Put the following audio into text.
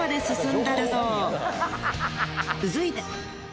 続いて。